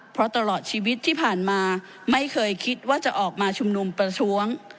เพราะตลอดชีวิตที่ผ่านมาไม่เคยคิดว่าจะออกมาชุมนุมประท้วง